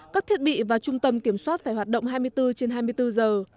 các thiết bị và trung tâm kiểm soát phải hoạt động hai mươi bốn trên hai mươi bốn giờ